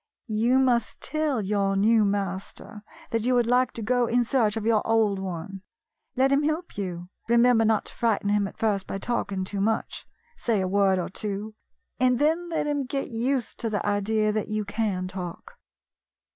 You must tell your new master that you would like to go in search of your old one. Let him help you. Remember not to frighten him at first by talking too much. Say a word or two, and then let him get used to the idea that you can talk."